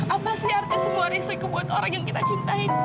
apa sih artinya semua rizky kebutuhan orang yang kita cintain rizky